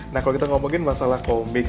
nah kalau kita ngomongin masalah komik